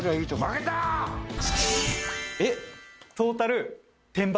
えっ？